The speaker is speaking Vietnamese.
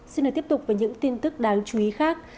xin được tiếp tục với những tin tức đáng chú ý khác